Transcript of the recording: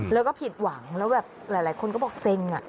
แล้วก็ผิดหวังแล้วแบบหลายคนก็บอกเซ็ง